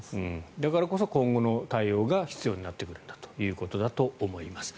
だからこそ今後の対応が必要になってくるんだということだと思います。